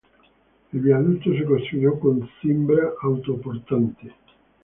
El viaducto se construyó con cimbra autoportante.